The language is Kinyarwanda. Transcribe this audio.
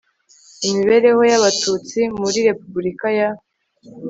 imibereho y abatutsi muri repubulika ya